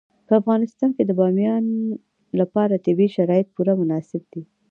په افغانستان کې د بامیان لپاره طبیعي شرایط پوره مناسب دي.